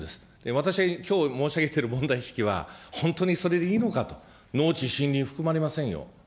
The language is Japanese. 私はきょう申し上げている問題意識は、本当にそれでいいのかと、農地、森林、含まれませんよ。